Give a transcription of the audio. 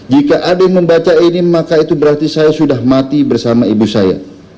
jika ada yang membaca ini maka itu berarti saya sudah mati bersama ibu saya